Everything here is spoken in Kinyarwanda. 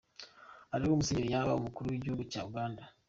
Ariho Museveni yabaye umukuru w’igihugu cya Uganda.